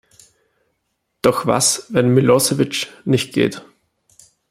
Doch was, wenn Milosevic nicht geht?